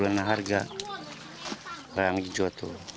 ya penurunan harga kerang hijau itu